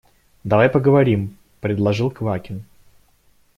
– Давай поговорим, – предложил Квакин.